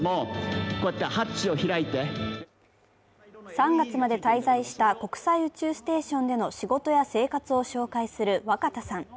３月まで滞在した国際宇宙ステーションでの仕事や生活を紹介する若田さん。